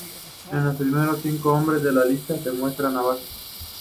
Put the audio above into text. Los primeros cinco nombres de la lista se muestran abajo.